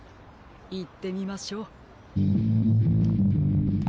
いってみましょう。